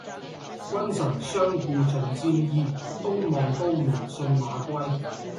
君臣相顧盡沾衣，東望都門信馬歸。